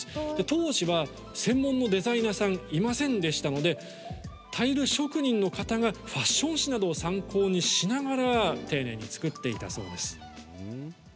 当時は、専門のデザイナーさんいませんでしたのでタイル職人の方がファッション誌などを参考にしながら丁寧に作っていたそうです。